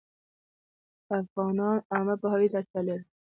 افغانان عامه پوهاوي ته اړتیا لري